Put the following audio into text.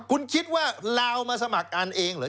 คุณคิดว่าลาวมาสมัครกันเองเหรอ